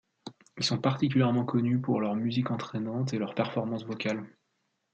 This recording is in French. Ils sont particulièrement connus pour leur musique entraînante et leurs performances vocales.